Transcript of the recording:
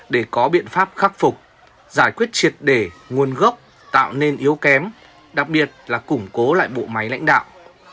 để có biện pháp khắc phục giải quyết triệt để nguồn gốc tạo nên yếu kém đặc biệt là củng cố lại bộ máy lãnh đạo